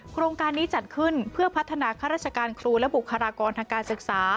โครงการนี้จัดขึ้นเพื่อพัฒนาข้าราชการครูและบุคลากรทางการศึกษา